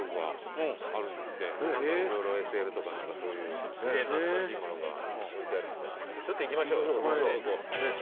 色々ＳＬとか何かそういう懐かしいものが置いてあるみたいなのでちょっと行きましょうそこ。